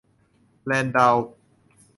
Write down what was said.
แรนดัลล์